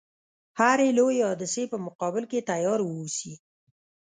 هري لويي حادثې په مقابل کې تیار و اوسي.